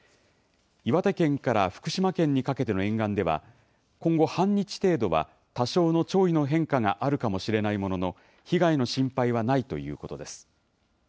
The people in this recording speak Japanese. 岩手県から福島県にかけての沿岸では今後、半日程度は多少の潮位の変化があるかも知れないものの被害の心配はないということです。